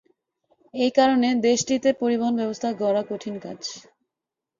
এই কারণে দেশটিতে পরিবহন ব্যবস্থা গড়া কঠিন কাজ।